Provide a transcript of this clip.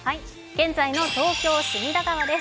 現在の東京・隅田川です。